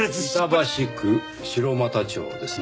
板橋区城又町ですね。